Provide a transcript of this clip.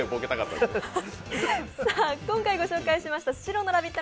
今回ご紹介しましたスシローのラヴィット！